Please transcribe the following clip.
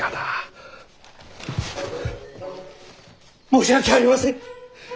申し訳ありません！